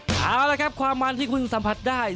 หมั่นที่คุณสัมผัสได้